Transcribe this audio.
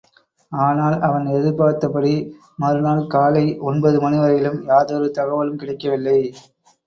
ஆனால், அவன் எதிர்பார்த்தபடி மறு நாள் காலை ஒன்பது மணிவரையிலும் யாதொரு தகவலும் கிடைக்கவில்லை.